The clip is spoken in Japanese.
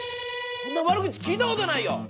そんな悪口聞いたことないよ！